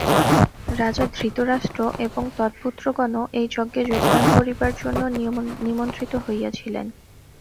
রাজা ধৃতরাষ্ট্র এবং তৎপুত্রগণও এই যজ্ঞে যোগদান করিবার জন্য নিমন্ত্রিত হইয়াছিলেন।